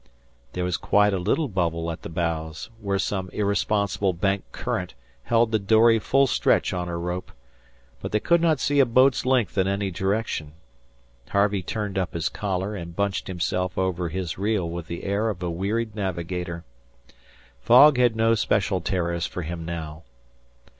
There was quite a little bubble at the bows, where some irresponsible Bank current held the dory full stretch on her rope; but they could not see a boat's length in any direction. Harvey turned up his collar and bunched himself over his reel with the air of a wearied navigator. Fog had no special terrors for him now.